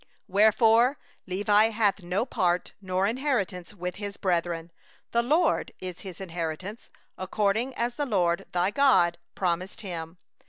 9Wherefore Levi hath no portion nor inheritance with his brethren; the LORD is his inheritance, according as the LORD thy God spoke unto him.